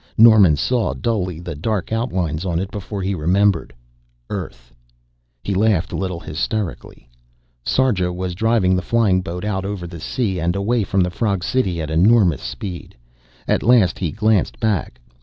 Norman saw dully the dark outlines on it before he remembered. Earth! He laughed a little hysterically. Sarja was driving the flying boat out over the sea and away from the frog city at enormous speed. At last he glanced back.